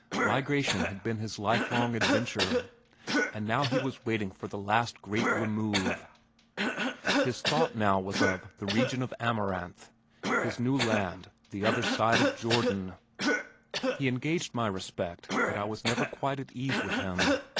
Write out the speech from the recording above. Migration had been his lifelong adventure and now he was waiting for the last great remove. His thought now was of "the region of the Amaranth," his new land "the other side of Jordan." He engaged my respect but I was never quite at ease with him.